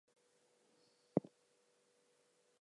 This bottle can only be used for one baby.